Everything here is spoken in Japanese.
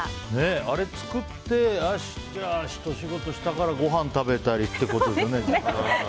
あれ、作ってよし、ひと仕事したからごはん食べたりってことですよね。